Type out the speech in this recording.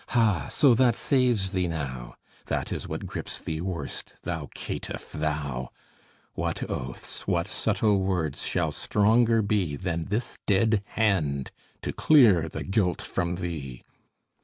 "Ha, so that saves thee now," That is what grips thee worst, thou caitiff, thou! What oaths, what subtle words, shall stronger be Than this dead hand, to clear the guilt from thee?